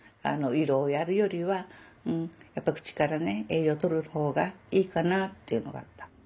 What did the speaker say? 胃ろうをやるよりは口から栄養とる方がいいかなっていうのがあった。